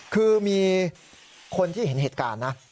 คือมีคนที่เห็นเหตุการณ์นะ